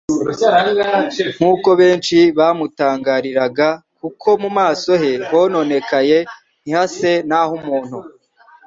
Nkuko benshi bamutangariraga kuko mu maso he hononekaye ntihase n'ah'umuntu